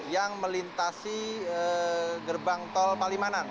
yang melintasi gerbang tol palimanan